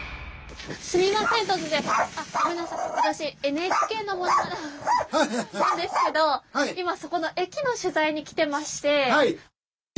私ＮＨＫの者なんですけど今そこの駅の取材に来てまして。